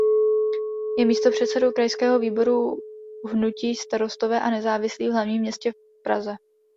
Je místopředsedou Krajského výboru hnutí Starostové a nezávislí v Hlavním městě Praze.